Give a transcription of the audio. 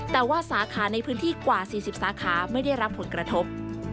แต่ว่าสาขาในพื้นที่กว่า๔๐สาขาไม่ได้รับผลกระทบ